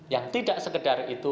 yang tidak sekedar itu